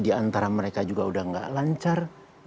diantara mereka juga sudah tidak lancar